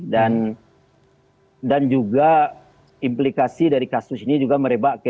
dan juga implikasi dari kasus ini juga merebak ke daerah